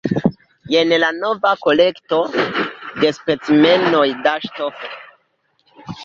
Jen la nova kolekto de specimenoj da ŝtofo.